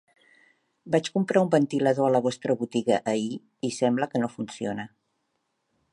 Vaig comprar un ventilador a la vostra botiga ahir i sembla que no funciona.